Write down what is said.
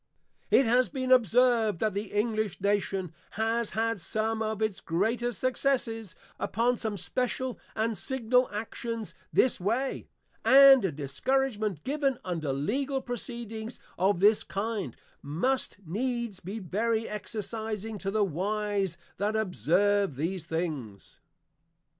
It has been observed, that the English Nation has had some of its greatest Successes, upon some special and signal Actions this way; and a discouragement given under Legal Proceedings of this kind, must needs be very exercising to the Wise that observe these things.